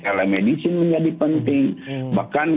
ada medisi menjadi penting bahkan